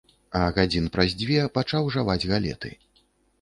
А гадзін праз дзве пачаў жаваць галеты.